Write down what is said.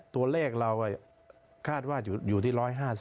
ตัวเลขเราคาดว่าอยู่ที่๑๕๐